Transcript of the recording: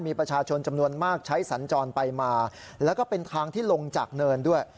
มีประชาชนจำนวนมากใช้สัญจรไปมาแล้วก็เป็นทางที่ลงจากเนินด้วย